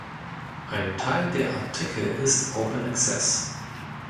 Ein Teil der Artikel ist Open Access.